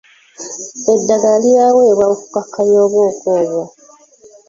Eddagala eribaweebwa okukkakkanya obwoka obwo.